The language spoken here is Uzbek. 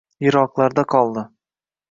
Yiroklarda koldi